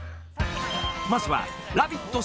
まずは「ラヴィット！」